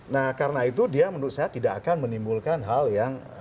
nah karena itu dia menurut saya tidak akan menimbulkan hal yang